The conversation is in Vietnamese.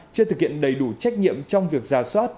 chưa thực hiện đầy đủ trách nhiệm trong việc giả soát